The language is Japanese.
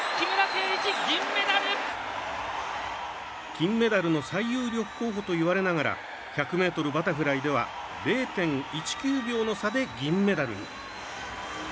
金メダルの最有力候補といわれながら１００ｍバタフライでは０．１９秒の差で銀メダルに。